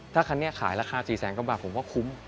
ถ้าคันนี้ขายราคา๔แสนกว่าบาทผมว่าคุ้ม